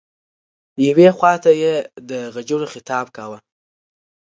یوې خواته یې د غجرو خطاب کاوه.